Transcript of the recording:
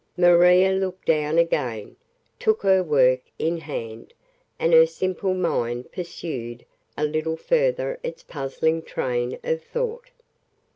Maria looked down again, took her work in hand, and her simple mind pursued a little further its puzzling train of thought.